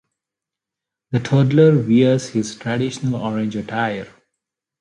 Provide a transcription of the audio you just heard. The toddler wears his traditional orange attire.